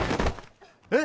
えっ？